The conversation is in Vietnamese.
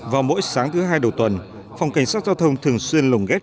vào mỗi sáng thứ hai đầu tuần phòng cảnh sát giao thông thường xuyên lồng ghép